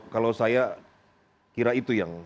kalau saya kira itu yang